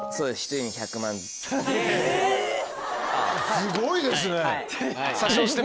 すごいですね。